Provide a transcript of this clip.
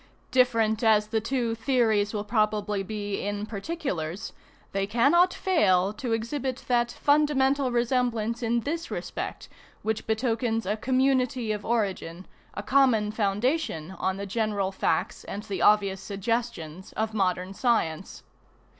Different as the two theories will probably be in particulars, they cannot fail to exhibit that fundamental resemblance in this respect which betokens a community of origin, a common foundation on the general facts and the obvious suggestions of modern science.